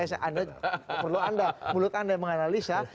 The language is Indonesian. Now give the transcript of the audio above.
iya makanya perlu anda mulut anda yang menganalisa